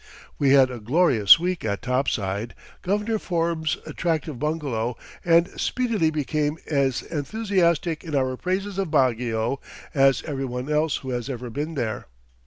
We had a glorious week at Topside, Governor Forbes's attractive bungalow, and speedily became as enthusiastic in our praises of Baguio as every one else who has ever been there.